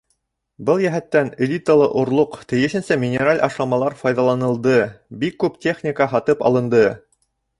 Был йәһәттән элиталы орлоҡ, тейешенсә минераль ашламалар файҙаланылды, бик күп техника һатып алынды.